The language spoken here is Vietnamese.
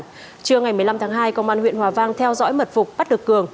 trưa ngày một mươi năm tháng hai công an huyện hòa vang theo dõi mật phục bắt được cường